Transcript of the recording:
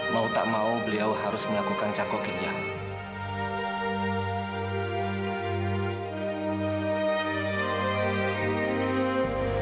mau tak mau beliau harus melakukan cakok ginjal